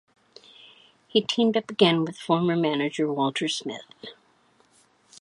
He teamed up again with former manager Walter Smith.